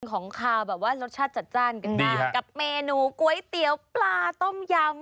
ของขาวแบบว่ารสชาติจัดจ้านกันบ้างกับเมนูก๋วยเตี๋ยวปลาต้มยำ